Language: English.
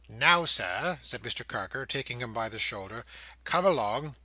"Now, Sir," said Mr Carker, taking him by the shoulder, "come along!"